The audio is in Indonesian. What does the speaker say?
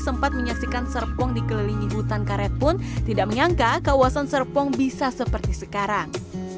sempat menyaksikan serpong dikelilingi hutan karet pun tidak menyangka kawasan serpong bisa seperti sekarang